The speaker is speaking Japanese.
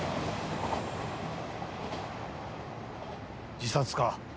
・自殺か？